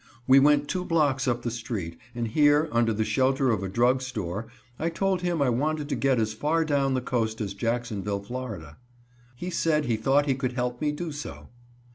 We went two blocks up the street, and here, under the shelter of a drug store, I told him I wanted to get as far down the coast as Jacksonville, Fla. He said he thought he could help me do so.